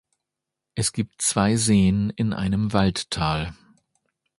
Es gibt zwei Seen in einem Waldtal.